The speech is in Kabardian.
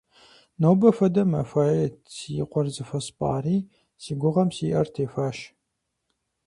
Нобэ хуэдэ зы махуает си къуэр зыхуэспӀари, си гугъэм си Ӏэр техуащ.